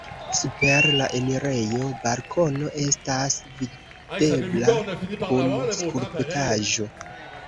Super la enirejo balkono estas videbla kun skulptaĵo.